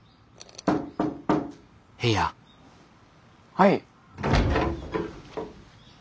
はい？